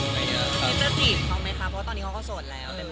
คิดจะจีบเขาไหมคะเพราะว่าตอนนี้เขาก็โสดแล้ว